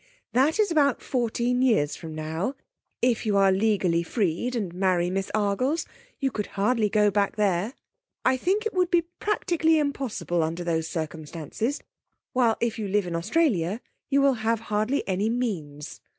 That is about fourteen years from now. If you are legally freed, and marry Miss Argles, you could hardly go back there. I think it would be practically impossible under those circumstances, while if you live in Australia you will have hardly any means.